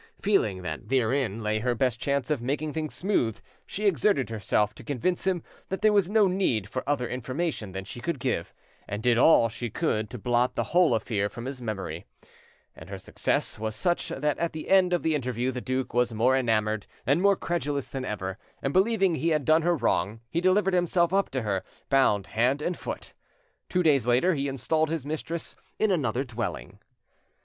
Feeling that therein lay her best chance of making things smooth, she exerted herself to convince him that there was no need for other information than she could give, and did all she could to blot the whole affair from his memory; and her success was such that at the end of the interview the duke was more enamoured and more credulous than ever, and believing he had done her wrong, he delivered himself up to her, bound hand and foot. Two days later he installed his mistress in another dwelling....